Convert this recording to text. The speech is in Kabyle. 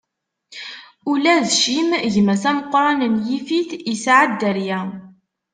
Ula d Cim, gma-s ameqran n Yifit, isɛa dderya.